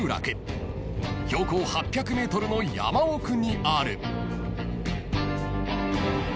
［標高８００ｍの山奥にある］